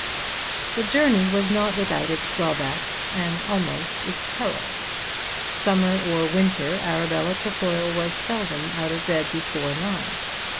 The journey was not without its drawbacks and almost its perils. Summer or winter Arabella Trefoil was seldom out of bed before nine.